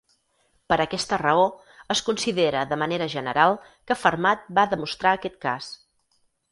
Per aquesta raó, es considera de manera general que Fermat va demostrar aquest cas.